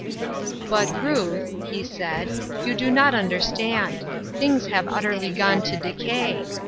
" But Ruth," he said, " 3^ou do not understand. Things have utterly gone to decay.